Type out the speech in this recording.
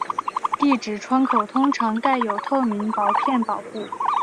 地址窗口通常盖有透明薄片保护。